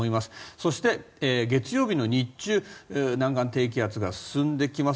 そして月曜日の日中南岸低気圧が進んできます。